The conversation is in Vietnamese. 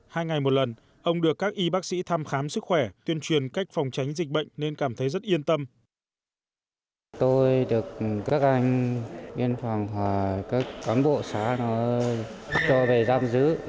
hai ngày một lần ông được các y bác sĩ thăm khám sức khỏe tuyên truyền cách phòng tránh dịch bệnh nên cảm thấy rất yên tâm